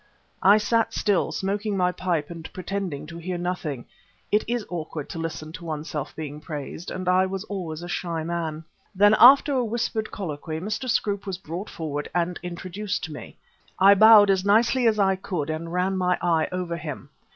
I sat still, smoking my pipe and pretending to hear nothing. It is awkward to listen to oneself being praised, and I was always a shy man. Then after a whispered colloquy Mr. Scroope was brought forward and introduced to me. I bowed as nicely as I could and ran my eye over him.